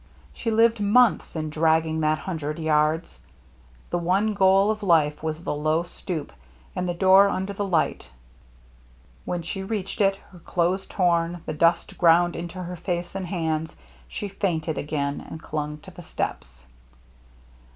She lived months in dragging that hundred yards ; the one goal of life was the low stoop and the door under the light. When she reached it, — her clothes torn, the dust ground into her face and hands, — she fainted again, and clung to the steps.